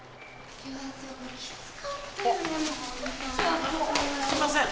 あのすいません。